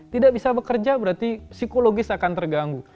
tidak bisa bekerja berarti psikologis akan terganggu